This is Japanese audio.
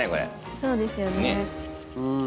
そうですよね。